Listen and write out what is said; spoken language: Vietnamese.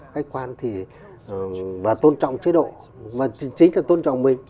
khách quan và tôn trọng chế độ và chính là tôn trọng mình